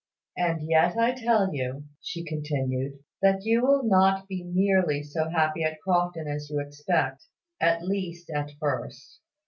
"And yet I tell you," she continued, "that you will not be nearly so happy at Crofton as you expect at least, at first.